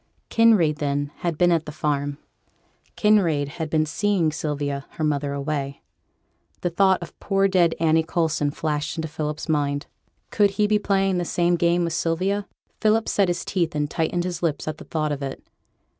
Kinraid, then, had been at the farm: Kinraid had been seeing Sylvia, her mother away. The thought of poor dead Annie Coulson flashed into Philip's mind. Could he be playing the same game with Sylvia? Philip set his teeth and tightened his lips at the thought of it.